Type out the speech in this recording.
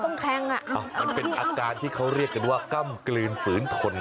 มันเป็นอาการที่เขาเรียกกันว่ากล้ำกลืนฝืนทน